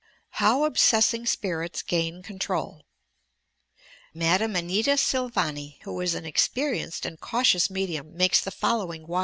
HOW OBSESSING SPIftlTS GAIN CONTHOL Madam Anita Silvani, who is an experienced and cau tious medium, makes the following wi.